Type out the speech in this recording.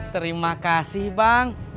terima kasih bang